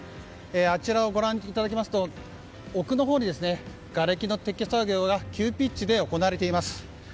あちらをご覧いただきますと奥のほうでがれきの撤去作業が急ピッチで行われています。